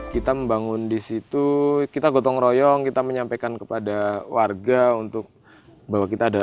kita membangun disitu kita gotong royong kita menyampaikan kepada warga untuk bahwa kita ada